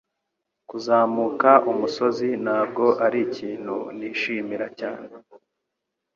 Kuzamuka umusozi ntabwo arikintu nishimira cyane.